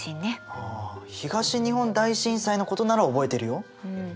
あ東日本大震災のことなら覚えてるよ。